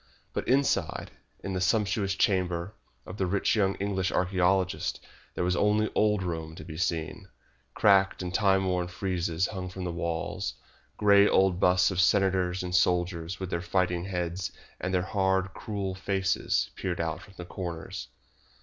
But inside, in the sumptuous chamber of the rich young English archaeologist, there was only old Rome to be seen. Cracked and timeworn friezes hung upon the walls, grey old busts of senators and soldiers with their fighting heads and their hard, cruel faces peered out from the corners.